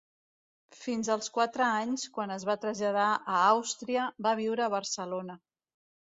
Fins als quatre anys, quan es va traslladar a Àustria, va viure a Barcelona.